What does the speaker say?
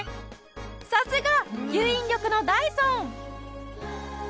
さすが吸引力のダイソン！